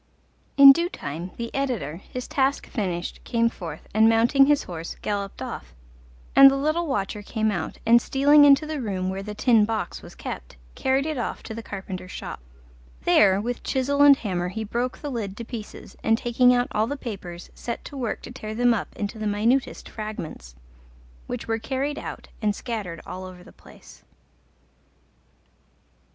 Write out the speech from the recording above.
In due time the editor, his task finished, came forth, and mounting his horse, galloped off; and the little watcher came out, and stealing into the room where the Tin Box was kept, carried it off to the carpenter's shop. There with chisel and hammer he broke the lid to pieces, and taking out all the papers, set to work to tear them up into the minutest fragments, which were carried out and scattered all over the place.